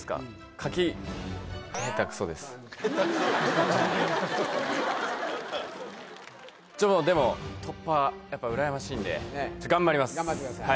書き下手くそ？でも突破やっぱうらやましいので頑張ります頑張ってください